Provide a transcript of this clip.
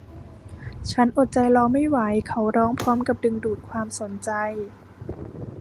ฉันอดใจรอไม่ไหวเขาร้องพร้อมกับดึงดูดความสนใจ